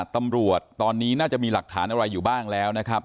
ตำรวจตอนนี้น่าจะมีหลักฐานอะไรอยู่บ้างแล้วนะครับ